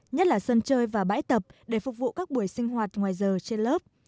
nhất là sân chơi và bãi tập để phục vụ các buổi sinh hoạt ngoài giờ trên lớp